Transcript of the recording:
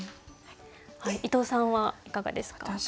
伊藤さんはいかがですか？